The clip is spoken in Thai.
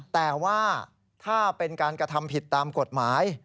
แต่ว่าถ้าเป็นการกระทำผิดตามกฎหมาย